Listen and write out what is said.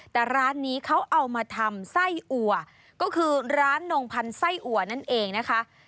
แต่ร้านนี้เขาเอามาทำไส้อัวก็คือร้านนงพันธ์ไส้อัวนั่นเองนะคะ